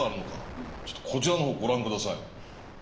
ちょっとこちらのほうご覧下さい。